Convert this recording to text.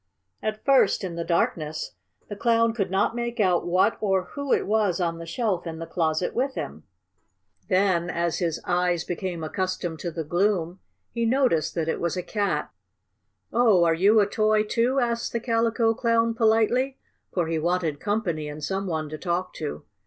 At first, in the darkness, the Clown could not make out what or who it was on the shelf in the closet with him. Then, as his eyes became accustomed to the gloom, he noticed that it was a Cat. "Oh, are you a toy, too?" asked the Calico Clown politely, for he wanted company and some one to talk to.